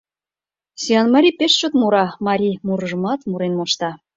Сӱанмарий пеш чот мура, марий мурыжымат мурен мошта...